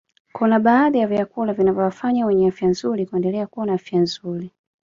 Kuna baadhi ya vyakula vinavyowafanya wenye afya nzuri kuendelea kuwa na afya nzuri